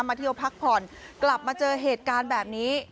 เที่ยวพักผ่อนกลับมาเจอเหตุการณ์แบบนี้